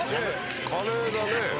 カレーだね。